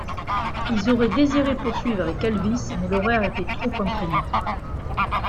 Ils auraient désiré poursuivre avec Elvis, mais l'horaire était trop contraignant.